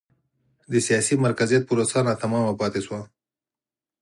د سیاسي مرکزیت پروسه ناتمامه پاتې شوه.